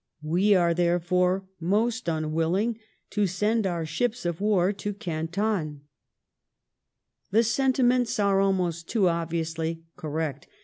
We are therefore most unwilling to send our ships of war to Canton. ..."^ Treaty of The sentiments ai e almost too obviously '* correct ".